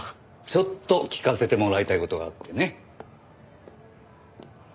ちょっと聞かせてもらいたい事があってね。